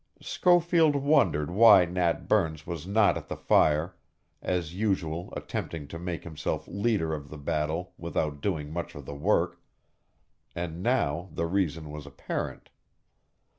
Schofield wondered why Nat Burns was not at the fire, as usual attempting to make himself leader of the battle without doing much of the work, and now the reason was apparent.